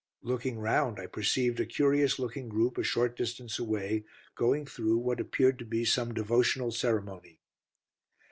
Looking round, I perceived a curious looking group a short distance away, going through what appeared to be some devotional ceremony.